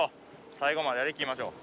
最後までやりきりましょう！